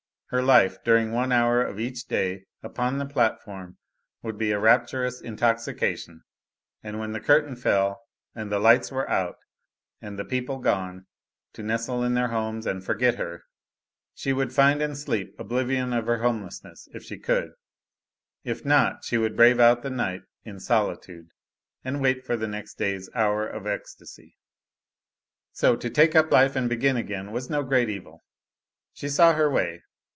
Her life, during one hour of each day, upon the platform, would be a rapturous intoxication and when the curtain fell and the lights were out, and the people gone, to nestle in their homes and forget her, she would find in sleep oblivion of her homelessness, if she could, if not she would brave out the night in solitude and wait for the next day's hour of ecstasy. So, to take up life and begin again was no great evil. She saw her way.